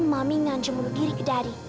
mami ngajem mulut diri ke dari